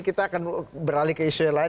kita akan beralih ke isu yang lain